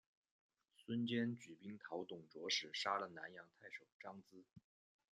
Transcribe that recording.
孙坚举兵讨董卓时杀了南阳太守张咨。